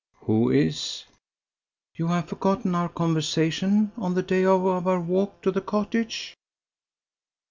"Who is?" "You have forgotten our conversation on the day of our walk to the cottage?"